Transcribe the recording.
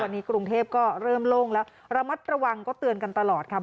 ตอนนี้กรุงเทพก็เริ่มโล่งแล้วระมัดระวังก็เตือนกันตลอดค่ะ